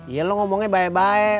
iya lu ngomongnya baik baik